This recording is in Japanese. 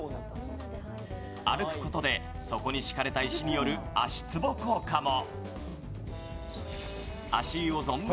歩くことでそこに敷かれた石による足つぼ効果も。